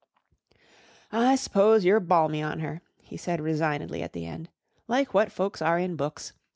"I s'pose you're balmy on her," he said resignedly at the end, "like what folks are in books.